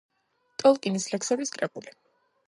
ტოლკინის ლექსების კრებული.